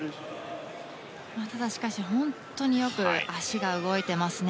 ただ、しかし本当によく足が動いてますね。